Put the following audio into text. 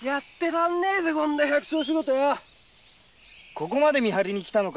ここまで見張りに来たのか？